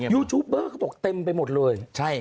ยูทูเปอร์เต็มไปหมดเลย